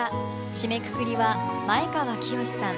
締めくくりは前川清さん